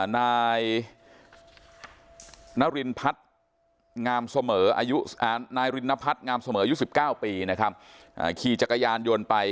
นายนารินพัฒน์งามเสมออายุนายรินพัฒน์งามเสมออายุ๑๙ปีนะครับขี่จักรยานยนต์ไป